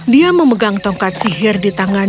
dia memegang tongkat sihir di tangannya siang dan malam